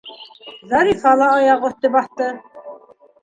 - Зарифа ла аяҡ өҫтө баҫты.